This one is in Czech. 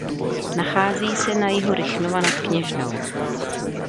Nachází se na jihu Rychnova nad Kněžnou.